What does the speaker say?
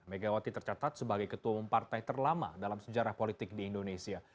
megawati tercatat sebagai ketua umum partai terlama dalam sejarah politik di indonesia